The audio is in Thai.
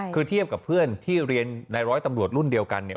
คือเทียบกับเพื่อนที่เรียนในร้อยตำรวจรุ่นเดียวกันเนี่ย